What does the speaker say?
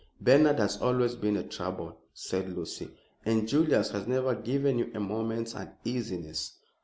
"Bernard has always been a trouble," said Lucy, "and Julius has never given you a moment's uneasiness."